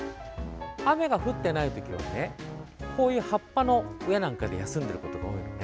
雨が降っていないときはこういう葉っぱの上なんかで休んでいることが多いのね。